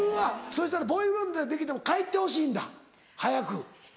そしたらボーイフレンドができても帰ってほしいんだ早く。